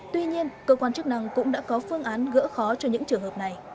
tuy nhiên cơ quan chức năng cũng đã có phương án gỡ khó cho những trường hợp này